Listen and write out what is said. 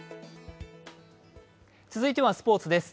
続いてはスポーツです。